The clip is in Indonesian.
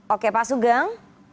oke pak sugeng